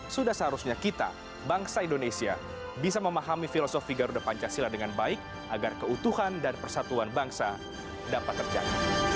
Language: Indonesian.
sudah seharusnya kita bangsa indonesia bisa memahami filosofi garuda pancasila dengan baik agar keutuhan dan persatuan bangsa dapat terjaga